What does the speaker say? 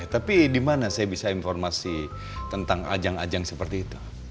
tapi di mana saya bisa informasi tentang ajang ajang seperti itu